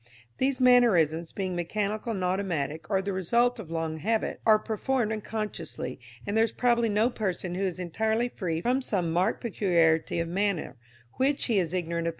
These mannerisms, being mechanical and automatic, or the result of long habit, are performed unconsciously, and there is probably no person who is entirely free from some marked peculiarity of manner, which he is ignorant of possessing.